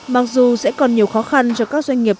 mặc dù sẽ còn nhiều khó khăn cho các doanh nghiệp